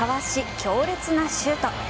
強烈なシュート。